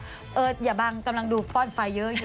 อย่าบังกำลังดูฟ่อนไฟเยอะอยู่